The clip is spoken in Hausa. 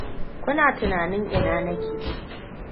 Kuna tunanin ina nake?